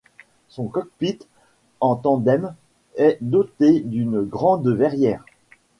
Son cockpit en tandem est doté d'une grande verrière.